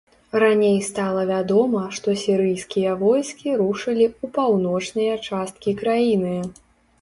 Раней стала вядома, што сірыйскія войскі рушылі ў паўночныя часткі краіны.